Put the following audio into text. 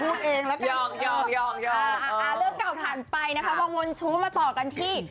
เลือกเก่าฐานไปวงวลชู้หมาต่อกันที่